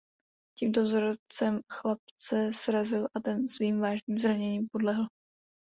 Tímto vozem chlapce srazil a ten svým vážným zraněním podlehl.